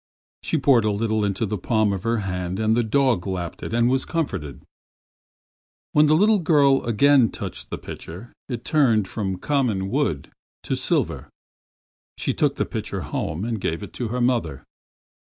She poured a little into the palm of her hand and the dog lapped it and was comforted. When the little girl again took up the pitcher, it had turned from common wood to silver. She took the pitcher home and gave it to her mother.